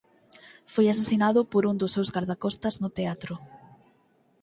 Foi asasinado por un dos seus gardacostas no teatro.